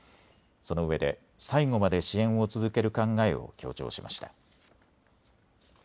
そのうえで最後まで支援を続ける考えを強調しました。